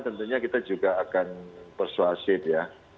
tentunya kita juga akan persuasif ya